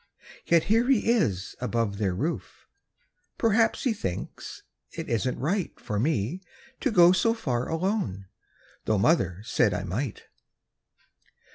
Yet here he is above their roof; Perhaps he thinks it isn't right For me to go so far alone, Tho' mother said I might.